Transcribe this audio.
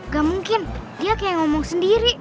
gak mungkin dia kayak ngomong sendiri